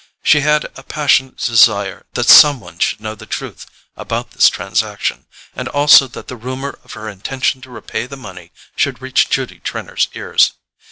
She had a passionate desire that some one should know the truth about this transaction, and also that the rumour of her intention to repay the money should reach Judy Trenor's ears.